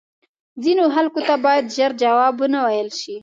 ځینو خلکو ته باید زر جواب وه نه ویل شې